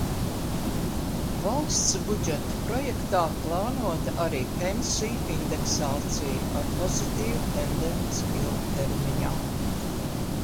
Valsts budžeta projektā plānota arī pensiju indeksācija ar pozitīvu tendenci ilgtermiņā.